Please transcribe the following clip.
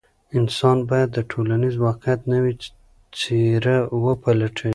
انسان باید د ټولنیز واقعیت نوې څېره وپلټي.